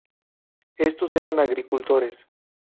Estos eran agricultores.